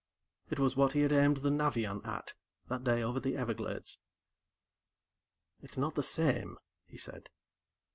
It was what he had aimed the Navion at, that day over the Everglades. "It's not the same," he said.